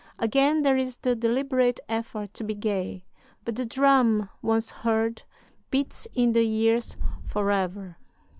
Again there is the deliberate effort to be gay, but the drum once heard beats in the ears forever.